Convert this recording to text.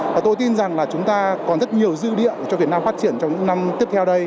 và tôi tin rằng là chúng ta còn rất nhiều dư địa cho việt nam phát triển trong những năm tiếp theo đây